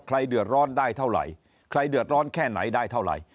ใครเดือดร้อนได้เท่าไหร่ใครเดือดร้อนแค่ไหนได้เท่าไหร่